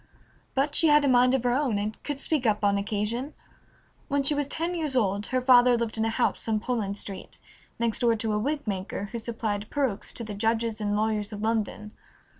But she had a mind of her own and could speak up on occasion. When she was ten years old her father lived in a house on Poland Street, next door to a wig maker, who supplied perukes to the judges and lawyers of London.